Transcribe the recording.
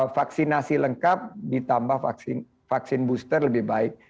vaksinasi lengkap ditambah vaksin booster lebih baik